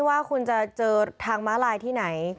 ว่าคุณจะเจอทางม้าลายที่ไหน